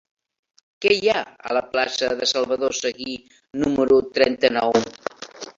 Què hi ha a la plaça de Salvador Seguí número trenta-nou?